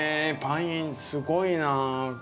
パインすごいなぁ。